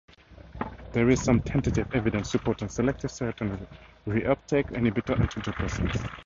There is some tentative evidence supporting selective serotonin reuptake inhibitor antidepressants.